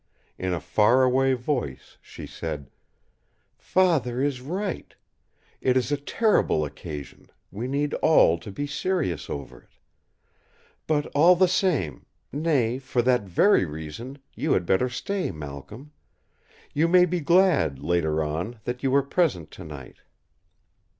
In a far away voice she said: "Father is right! It is a terrible occasion; we need all to be serious over it. But all the same—nay, for that very reason you had better stay, Malcolm! You may be glad, later on, that you were present tonight!"